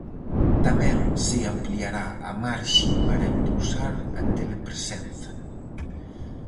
Tamén se ampliará a marxe para impulsar a telepresenza.